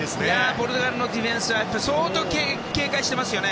ポルトガルのディフェンスは相当警戒していますよね。